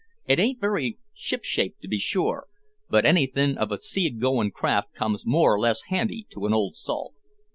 It ain't very ship shape to be sure, but anything of a seagoin' craft comes more or less handy to an old salt."